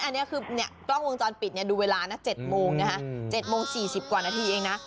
อันนี้คือกล้องวงจรปิดดูเวลานะ๗โมงนะคะ๗โมง๔๐กว่านาทีเองนะ